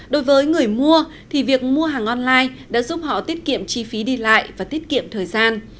đối với người mua thì việc mua hàng online đã giúp họ tiết kiệm chi phí đi lại và tiết kiệm thời gian